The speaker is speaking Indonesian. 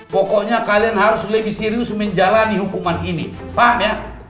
pokoknya kalian harus lebih serius menjalani hukuman ini paham ya